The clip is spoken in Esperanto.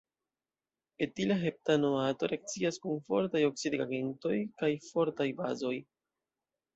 Etila heptanoato reakcias kun fortaj oksidigagentoj kaj fortaj bazoj.